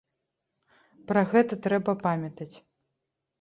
Пра гэта трэба памятаць!